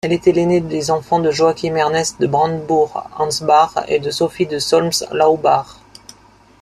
Elle était l'aînée des enfants de Joachim-Ernest de Brandebourg-Ansbach et de Sophie de Solms-Laubach.